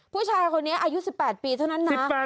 ผู้ชายคนนี้อายุ๑๘ปีเท่านั้นนะ